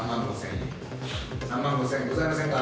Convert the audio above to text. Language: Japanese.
３万５，０００円ございませんか？